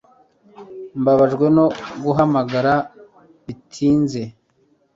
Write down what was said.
Mbabajwe no guhamagara bitinze